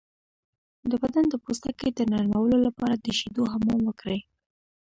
د بدن د پوستکي د نرمولو لپاره د شیدو حمام وکړئ